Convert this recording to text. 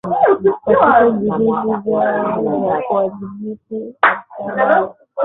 katika juhudi zao za kuwadhibiti al Shabaab